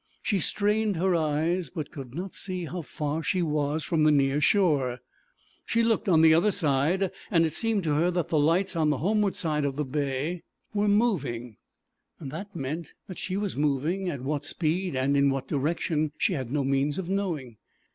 She strained her eyes, but could not see how far she was from the near shore. She looked on the other side and it seemed to her that the lights on the home ward side of the bay were moving. That meant that she was moving, at what speed and in what direction she had no means of knowing.